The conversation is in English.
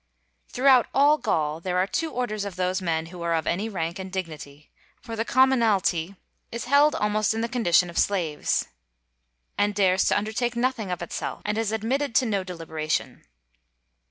Throughout all Gaul there are two orders of those men who are of any rank and dignity: for the commonalty is held almost in the condition of slaves, and dares to undertake nothing of itself and is admitted to no deliberation.